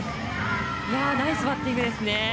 ナイスバッティングですね。